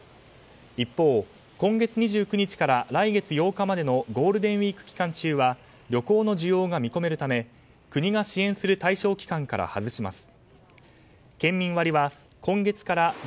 一方、今月２９日から来月８日までのゴールデンウィーク期間中は旅行の需要が見込めるため国が支援する対象期間から外します。